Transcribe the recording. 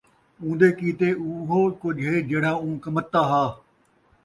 اُون٘دے کِیتے اُوہو کُجھ ہے جِہڑا اُوں کمتّا ہا،